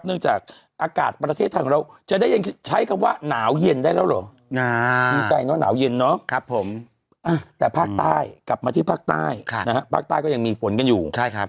จากอากาศประเทศไทยของเราจะได้ยังใช้คำว่าหนาวเย็นได้แล้วเหรอดีใจเนอะหนาวเย็นเนาะแต่ภาคใต้กลับมาที่ภาคใต้ภาคใต้ก็ยังมีฝนกันอยู่ใช่ครับ